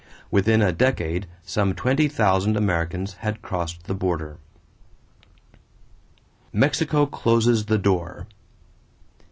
Within a decade some twenty thousand Americans had crossed the border. =Mexico Closes the Door.